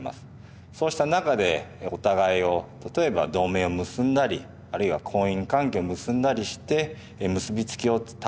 そうした中でお互いを例えば同盟を結んだりあるいは婚姻関係結んだりして結び付きを高めていく。